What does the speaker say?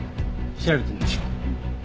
調べてみましょう。